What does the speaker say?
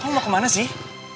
kamu mau kemana sih